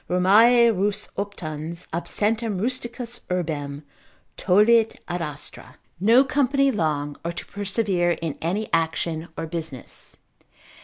Romae rus optans, absentem rusticus urbem Tollit ad astra——— no company long, or to persevere in any action or business.